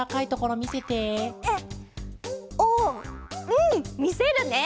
うんみせるね。